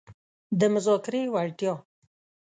-د مذاکرې وړتیا